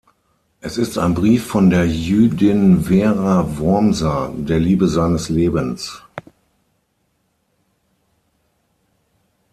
Es ist ein Brief von der Jüdin Vera Wormser, der Liebe seines Lebens.